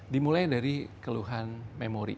dimulai dari keluhan memori